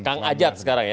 kang ajat sekarang ya